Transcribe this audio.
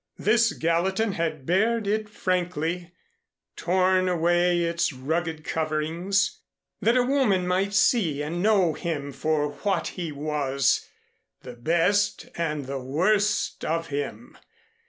This Gallatin had bared it frankly, torn away its rugged coverings, that a woman might see and know him for what he was the best and the worst of him.